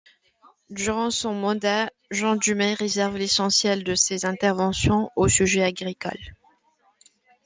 Durant son mandat, Jean Dumet réserve l'essentiel de ses interventions aux sujets agricoles.